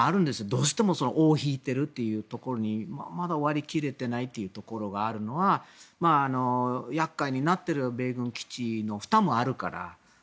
どうしても尾を引いているというところにまだ割り切れてないというところがあるのは厄介になっている米軍基地の負担もあるから。